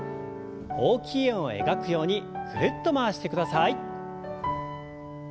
大きい円を描くようにぐるっと回してください。